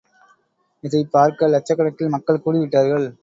இதைப் பார்க்க லட்சக்கணக்கில் மக்கள் கூடிவிட்டார்கள்.